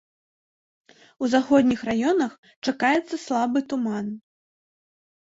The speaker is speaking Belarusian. У заходніх раёнах чакаецца слабы туман.